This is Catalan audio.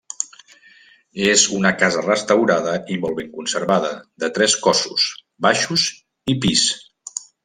És una casa restaurada i molt ben conservada, de tres cossos, baixos i pis.